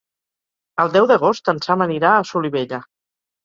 El deu d'agost en Sam anirà a Solivella.